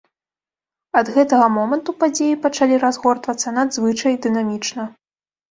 Ад гэтага моманту падзеі пачалі разгортвацца надзвычай дынамічна.